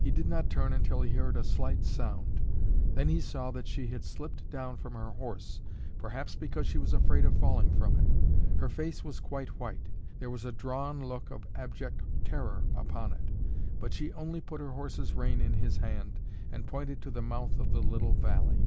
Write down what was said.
He did not turn until he heard a slight sound. Then he saw that she had slipped down from her horse, perhaps because she was afraid of falling from it. Her face was quite white; there was a drawn look of abject terror upon it; but she only put her horse's rein in his hand, and pointed to the mouth of the little valley.